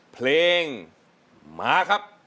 เพลงมาครับ